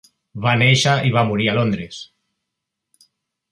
Va néixer i va morir a Londres.